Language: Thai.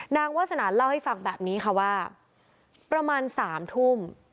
วาสนาเล่าให้ฟังแบบนี้ค่ะว่าประมาณ๓ทุ่ม